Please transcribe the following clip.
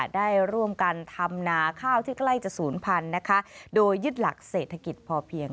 ได้ร่วมกันทำนาข้าวที่ใกล้จะศูนย์พันธุ์โดยยึดหลักเศรษฐกิจพอเพียง